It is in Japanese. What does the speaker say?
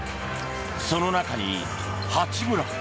その中に八村。